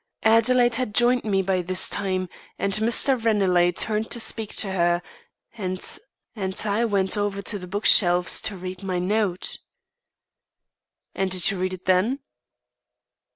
Adelaide had joined me by this time, and Mr. Ranelagh turned to speak to her, and and I went over to the book shelves to read my note." "And did you read it then?"